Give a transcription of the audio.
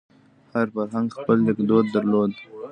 هر فرهنګ خپل لیکدود درلود.